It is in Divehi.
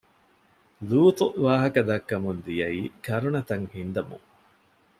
ލޫޠު ވާހަކަދައްކަމުން ދިޔައީ ކަރުނަތައް ހިންދަމުން